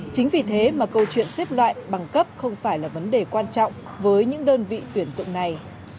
chính vì thế mà câu chuyện xếp loại bằng cấp không phải là vấn đề quan trọng với những đơn vị tuyển tượng này